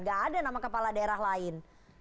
gak ada nama kepala daerah lain